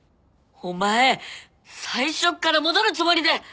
お前最初から戻るつもりで。